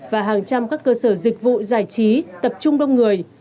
và hàng trăm các cơ sở dịch vụ giải trí tập trung đông người